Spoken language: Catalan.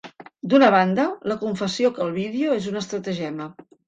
D'una banda, la confessió que el vídeo és un estratagema.